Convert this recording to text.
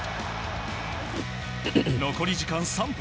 残り時間３分。